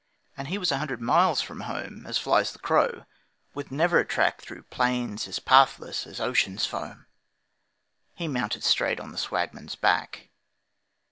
And he was a hundred miles from home, As flies the crow, with never a track, Through plains as pathless as ocean's foam, He mounted straight on the Swagman's back.